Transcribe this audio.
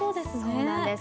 そうなんです。